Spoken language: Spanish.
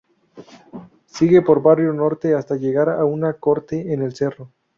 Sigue por Barrio Norte, hasta llegar a un corte en el cerro.